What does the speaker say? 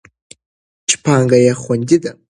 چې پانګه یې خوندي ده.